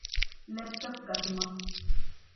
ލެޕްޓޮޕް ގަތުމަށް.